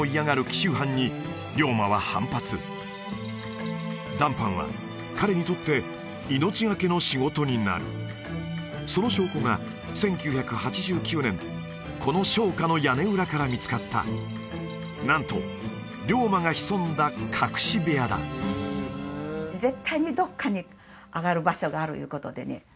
紀州藩に龍馬は反発談判は彼にとって命懸けの仕事になるその証拠が１９８９年この商家の屋根裏から見つかったなんと龍馬が潜んだ隠し部屋だ絶対にどっかに上がる場所があるいうことでね